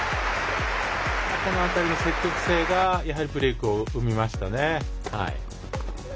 この辺りの積極性がブレークを生みましたね。